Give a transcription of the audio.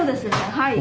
はい。